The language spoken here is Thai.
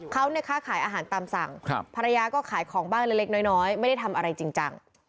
เขาเนี่ยค้าขายอาหารตามสั่งภรรยาก็ขายของบ้างเล็กน้อยไม่ได้ทำอะไรจริงจัง